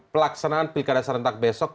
pelaksanaan pilkada serentak besok